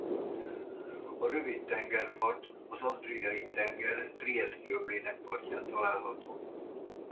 A rövid tengerpart az Adriai-tenger Trieszti-öblének partján található.